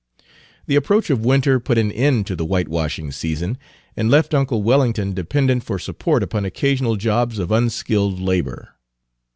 The approach of winter put an end to the whitewashing season, and left uncle Wellington dependent for support upon occasional jobs of unskilled labor.